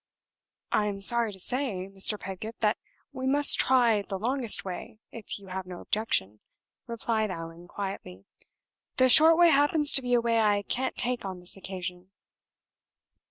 "I am sorry to say, Mr. Pedgift, that we must try the longest way, if you have no objection," replied Allan, quietly. "The short way happens to be a way I can't take on this occasion."